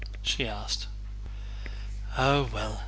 she asked. "Oh well...